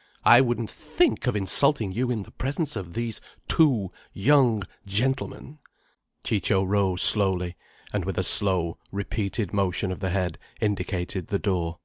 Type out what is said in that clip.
_ I wouldn't think of insulting you in the presence of these two young gentlemen." Ciccio rose slowly, and with a slow, repeated motion of the head, indicated the door.